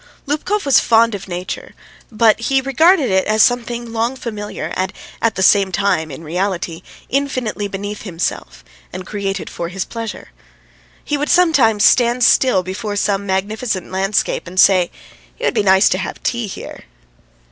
Lubkov was fond of nature, but he regarded it as something long familiar and at the same time, in reality, infinitely beneath himself and created for his pleasure. He would sometimes stand still before some magnificent landscape and say: "It would be nice to have tea here."